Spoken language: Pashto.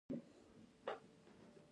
بوتل د هنر یو توکی کېدای شي.